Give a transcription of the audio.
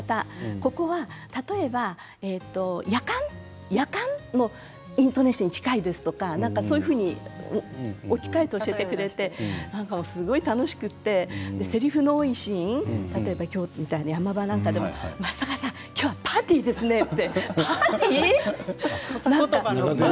ここは例えば、やかんのイントネーションに近いですとかそういうふうに置き換えて教えてくれてすごい楽しくてせりふの多いシーン、例えば今日みたいな山場でも松坂さん、今日はパーティーですねと言ってパーティー？って。